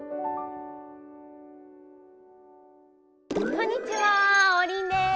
こんにちは王林です。